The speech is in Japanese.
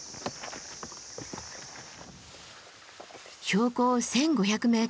標高１，５００ｍほど。